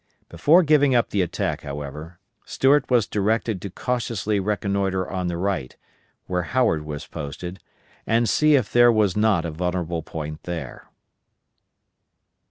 Before giving up the attack, however, Stuart was directed to cautiously reconnoitre on the right, where Howard was posted, and see if there was not a vulnerable point there.